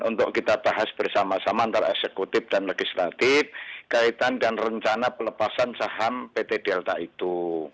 untuk kita bahas bersama sama antara eksekutif dan legislatif kaitan dan rencana pelepasan saham pt delta itu